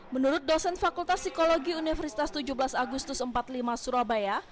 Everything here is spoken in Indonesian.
menurut dosen fakultas psikologi universitas tujuh belas agustus empat puluh lima surabaya